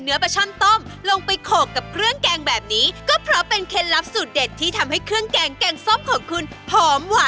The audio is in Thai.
น้ำแกงซ่อมของคุณแม่บ้านก็จะอร่อยรสสุดไปเลยแหลกคะ